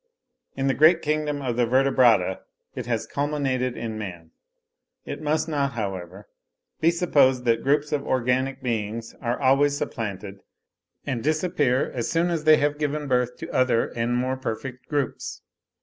In the great kingdom of the Vertebrata it has culminated in man. It must not, however, be supposed that groups of organic beings are always supplanted, and disappear as soon as they have given birth to other and more perfect groups.